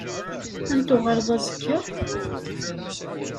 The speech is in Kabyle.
Ad n-tuɣaleḍ azekka?